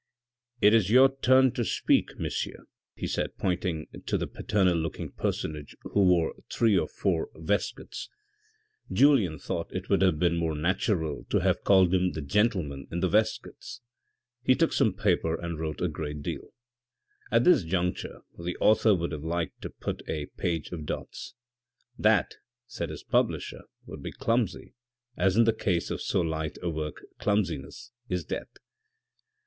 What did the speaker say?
" It is your turn to speak, Monsieur," he said pointing to the paternal looking personage who wore three or four waist 25 386 THE RED AND THE BLACK coats. Julien thought it would have been more natural to have called him the gentleman in the waistcoats. He took some paper and wrote a great deal. (At this juncture the author would have liked to have put a page of dots. " That," said his publisher, " would be clumsy and in the case of so light a work clumsiness is death."